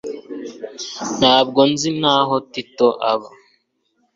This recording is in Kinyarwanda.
Ntabwo nzi n'aho Tito aba